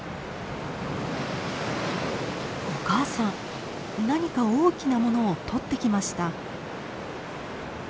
お母さん何か大きなものをとってきました。